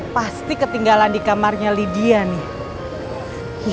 pasti ketinggalan di kamarnya lydia nih